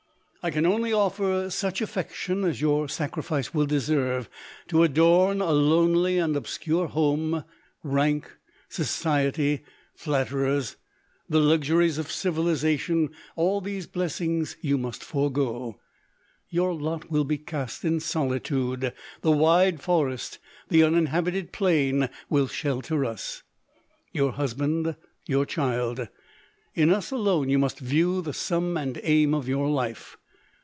" I can only offer such affection as your sacrifice will deserve to adorn a lonely and obscure home; rank, society, flatterers, the lux uries of civilization — all these blessings you must forego. Your lot will be cast in solitude. The wide forest, the uninhabited plain, will shelter us. Your husband, your child ; in us alone you must view the sum and aim of your life.